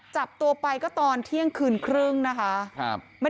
เจ้ากันเลยก็ฆ่าแล้วหาสุดไว้เลย